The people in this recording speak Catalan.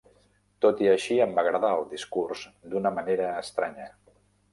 Tot i així, em va agradar el discurs d'una manera estranya.